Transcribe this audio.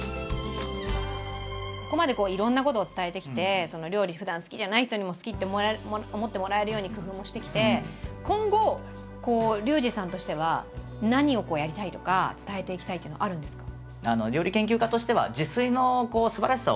ここまでいろんなことを伝えてきて料理ふだん好きじゃない人にも好きって思ってもらえるように工夫もしてきて今後リュウジさんとしては何をやりたいとか伝えていきたいっていうのはあるんですか？